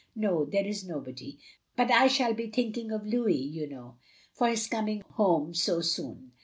" No, there is nobody. But I shall be thinking of Louis, you know, and his coming home so soon.